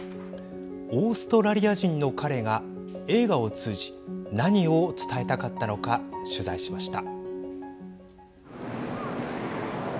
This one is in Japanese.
オーストラリア人の彼が映画を通じ何を伝えたかったのか取材しました。